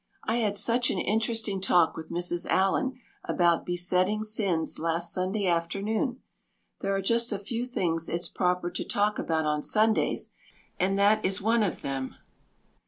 I had such an interesting talk with Mrs. Allan about besetting sins last Sunday afternoon. There are just a few things it's proper to talk about on Sundays and that is one of them.